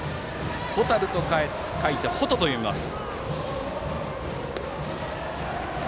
蛍と書いて「ほと」と読みます。